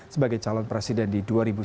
sebagai calon presiden di dua ribu sembilan belas